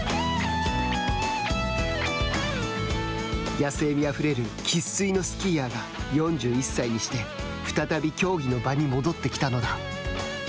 野性味あふれる生っ粋のスキーヤーが４１歳にして再び競技の場に戻ってきたのだ。